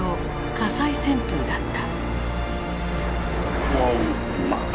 火災旋風だった。